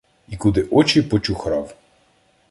І куди очі почухрав.